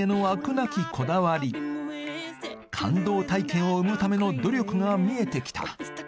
なきこだわり感動体験を生むための努力が見えてきた